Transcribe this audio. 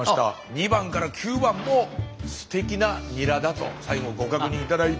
２番から９番もすてきなニラだと最後ご確認頂いて。